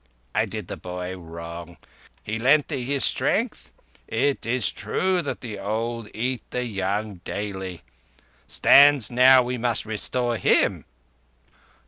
I did the boy wrong. He lent thee his strength? It is true that the old eat the young daily. Stands now we must restore him."